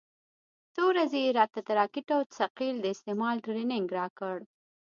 څو ورځې يې راته د راکټ او ثقيل د استعمال ټرېننگ راکړ.